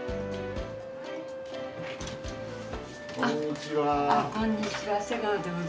こんにちは。